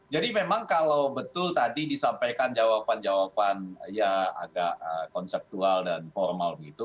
jadi memang kalau betul tadi disampaikan jawaban jawaban ya agak konseptual dan formal gitu